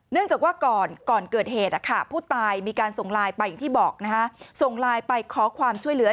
จากว่าก่อนเกิดเหตุผู้ตายมีการส่งไลน์ไปอย่างที่บอกส่งไลน์ไปขอความช่วยเหลือ